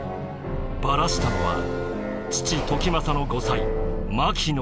バラしたのは父時政の後妻牧の方。